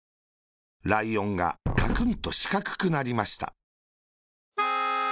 ライオンがカクンとしかくくなりました。